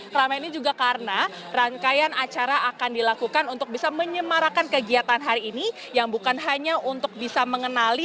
keramaian ini juga karena rangkaian acara akan dilakukan untuk bisa menyemarakan kegiatan hari ini yang bukan hanya untuk bisa mengenali